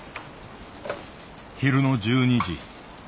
昼の１２時。